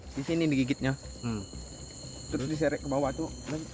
di sini di gigitnya terus diserek ke bawah